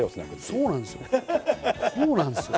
そうなんですよ。